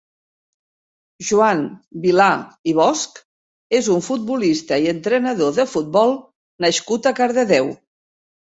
Joan Vilà i Bosch és un futbolista i entrenador de futbol nascut a Cardedeu.